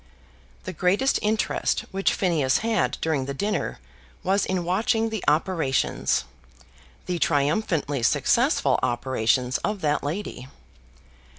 The greatest interest which Phineas had during the dinner was in watching the operations, the triumphantly successful operations of that lady.